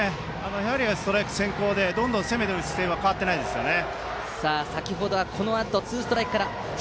やはりストライク先行でどんどん攻めていく姿勢は変わっていませんね。